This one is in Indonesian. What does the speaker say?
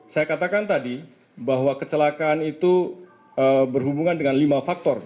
saya katakan tadi bahwa kecelakaan itu berhubungan dengan lima faktor